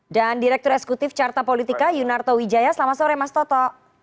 dan direktur eksekutif carta politika yunarto wijaya selamat sore mas toto